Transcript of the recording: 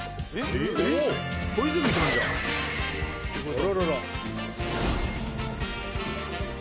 あららら。